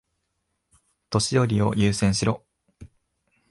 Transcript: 年寄りを優先しろ。